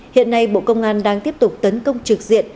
hiện nay bộ công an đang tiếp tục tấn công trực diện